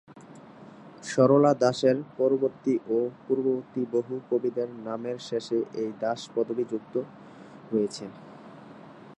সরলা দাসের পরবর্তী ও পূর্ববর্তী বহু কবিদের নামের শেষে এই দাস পদবী যুক্ত রয়েছে।